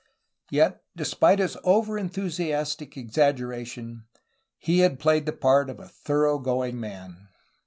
Yet, despite his over enthusiastic exaggeration, he had played the part of a thor ough going man.